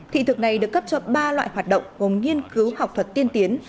thị thực này được cấp cho ba loại hoạt động gồm nghiên cứu học thuật tiên tiến